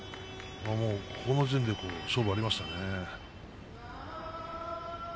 この時点で勝負がありましたね。